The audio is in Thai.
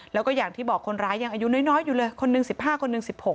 แล้วก็อย่างที่บอกคนร้ายยังอายุน้อยอยู่เลยคนหนึ่ง๑๕คนหนึ่ง๑๖